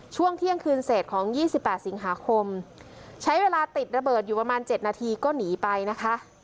ช่วงเที่ยงคืนเศษของ๒๘สิงหาคมใช้เวลาติดระเบิดอยู่ประมาณ๗นาทีก็หนีไปนะคะ